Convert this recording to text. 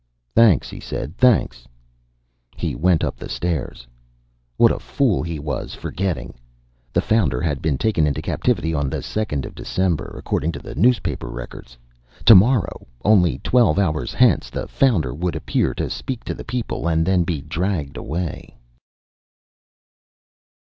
"Thanks," he said. "Thanks." He went up the stairs. What a fool he was, forgetting. The Founder had been taken into captivity on the second of December, according to the newspaper records. Tomorrow, only twelve hours hence, the Founder would appear to speak to the people and then be dragged away.